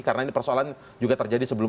karena ini persoalan juga terjadi sebelum